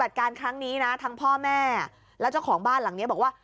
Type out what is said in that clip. ทั้งพ่อแม่แล้วเจ้าของบ้านหลังนี้บอกว่า